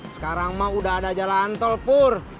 sekarang mah udah ada jalan tol pur